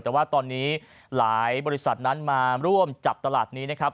แต่ว่าตอนนี้หลายบริษัทนั้นมาร่วมจับตลาดนี้นะครับ